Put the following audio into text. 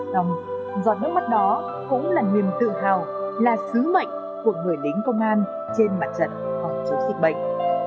xong giọt nước mắt đó cũng là niềm tự hào là sứ mệnh của người lính công an trên mặt trận phòng chống dịch bệnh